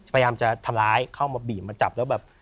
พยายามจะทำร้ายเข้ามาบีบมาจับแล้วแบบ